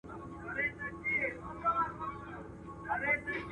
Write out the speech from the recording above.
ورور به وژني د غلیم نوم یې په سر دی.